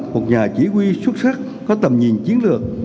một nhà chỉ quy xuất sắc có tầm nhìn chiến lược